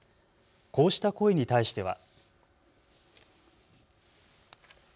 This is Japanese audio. こうした声に対しては。